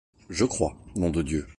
Je crois, nom de Dieu!